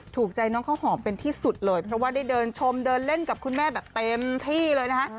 ถูกใจน้องข้าวหอมเป็นที่สุดเลยเพราะว่าได้เดินชมเดินเล่นกับคุณแม่แบบเต็มที่เลยนะคะ